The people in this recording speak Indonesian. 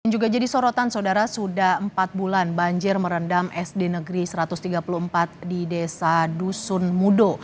juga jadi sorotan saudara sudah empat bulan banjir merendam sd negeri satu ratus tiga puluh empat di desa dusun mudo